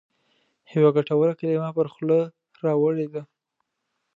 یوه ګټوره کلمه پر خوله راوړې ده.